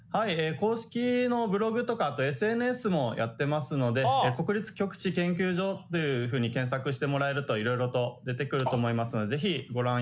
公式のブログとかあとＳＮＳもやってますので「国立極地研究所」というふうに検索してもらえると色々と出てくると思いますので。